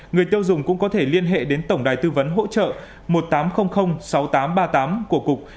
người tiêu dùng cũng có thể liên hệ đến tổng đài tư vấn hỗ trợ một nghìn tám trăm linh sáu nghìn tám trăm ba mươi tám của cục